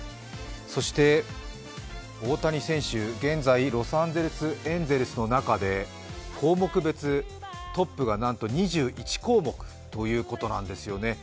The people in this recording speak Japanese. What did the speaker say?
そして大谷選手、現在、ロサンゼルス・エンゼルスの中で項目別トップがなんと２１項目ということなんですよね。